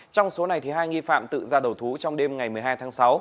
trong số này hai nghi phạm tự ra đầu thú trong đêm ngày một mươi hai tháng sáu